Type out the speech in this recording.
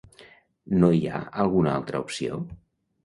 No hi ha alguna altra opció?